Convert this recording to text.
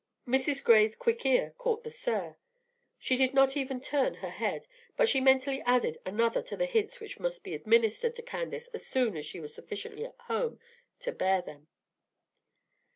Mrs. Gray's quick ear caught the "sir." She did not even turn her head, but she mentally added another to the hints which must be administered to Candace as soon as she was sufficiently at home to bear them.